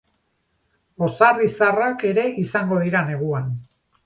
Ozar-izarrak ere izango dira neguan.